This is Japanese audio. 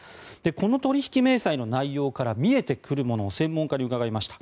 この取引明細の内容から見えてくるものと専門家から伺いました。